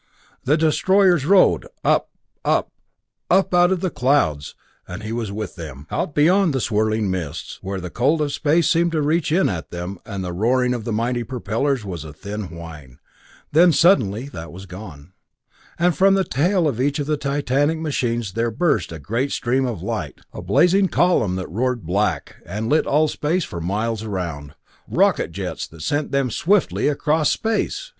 The destroyers rode up, up, up out of the clouds and he was with them. Out beyond the swirling mists, where the cold of space seemed to reach in at them, and the roaring of the mighty propellers was a thin whine then suddenly that was gone, and from the tail of each of the titanic machines there burst a great stream of light, a blazing column that roared back, and lit all space for miles around rocket jets that sent them swiftly across space!